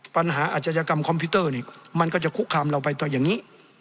ปัญหาอาชญากรรมคอมพิวเตอร์นี่มันก็จะคุกคามเราไปต่ออย่างนี้